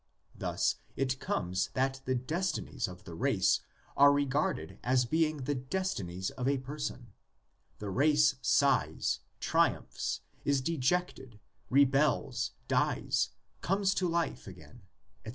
Thus it comes that the destinies of the race are regarded as being the destinies of a person: the race sighs, triumphs, is dejected, rebels, dies, comes to life again, etc.